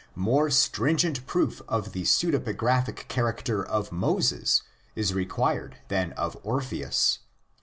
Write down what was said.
More stringent proof of the pseudepigraphic character of Moses is required than of Orpheus.